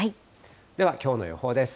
では、きょうの予報です。